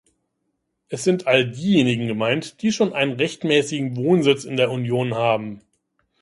Es sind all diejenigen gemeint, die schon einen rechtmäßigen Wohnsitz in der Union haben.